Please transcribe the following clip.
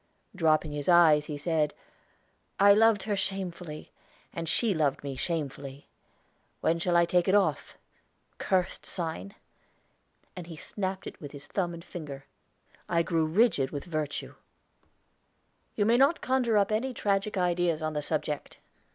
Dropping his eyes, he said: "I loved her shamefully, and she loved me shamefully. When shall I take it off cursed sign?" And he snapped it with his thumb and finger. I grew rigid with virtue. "You may not conjure up any tragic ideas on the subject.